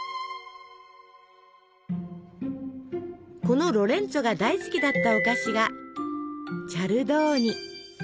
このロレンツォが大好きだったお菓子がチャルドーニ。